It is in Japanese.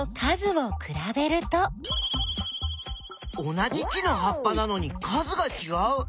同じ木のはっぱなのに数がちがう。